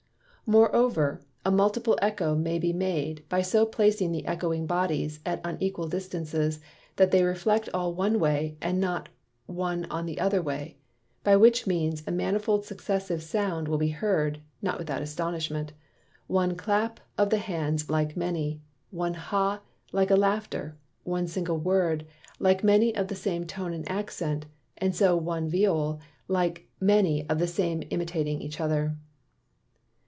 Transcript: Moreover a Multiple Eccho may be made, by so placing the Ecchoing Bodies, at unequal distances, that they reflect all one way, and not one on the other; by which means a manifold successive Sound will be heard (not without astonishment) one Clap of the hands like many, one Ha, like a laughter, one single Word like many of the same Tone and Accent, and so one Viol like many of the same kind imitating each other.